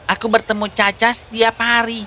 aku bertemu caca setiap hari